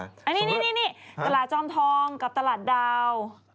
กระดาษจอมทองกับตลาดดาว